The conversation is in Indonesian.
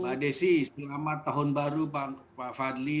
mbak desi selamat tahun baru pak fadli